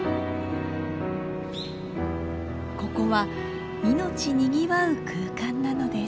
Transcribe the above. ここは命にぎわう空間なのです。